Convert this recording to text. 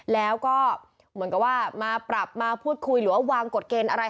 แล้วก็เหมือนกับว่ามาปรับมาพูดคุยหรือว่าวางกฎเกณฑ์อะไร